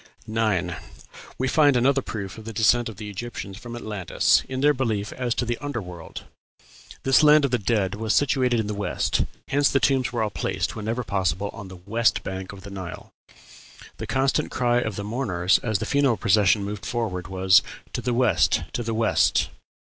9. We find another proof of the descent of the Egyptians from Atlantis in their belief as to the "under world." This land of the dead was situated in the West hence the tombs were all placed, whenever possible, on the west bank of the Nile. The constant cry of the mourners as the funeral procession moved forward was, "To the west; to the west."